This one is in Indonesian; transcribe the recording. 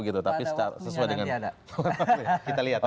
ada waktu nanti ada